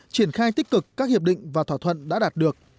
triển khai tích cực các hiệp định và thỏa thuận đã đạt được